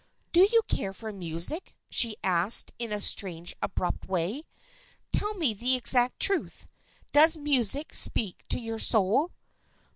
" Do you care for music ?" she asked in a strange abrupt way. " Tell me the exact truth. Does music speak to your soul